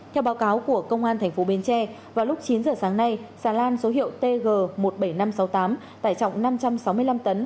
theo báo cáo của công an tp bến tre vào lúc chín giờ sáng nay xà lan số hiệu tg một mươi bảy nghìn năm trăm sáu mươi tám tải trọng năm trăm sáu mươi năm tấn